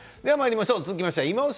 続きまして「いまオシ！